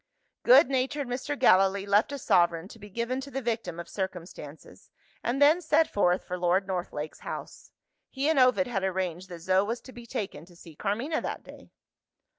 Good natured Mr. Gallilee left a sovereign to be given to the victim of circumstances and then set forth for Lord Northlake's house. He and Ovid had arranged that Zo was to be taken to see Carmina that day.